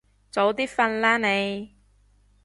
早啲瞓啦你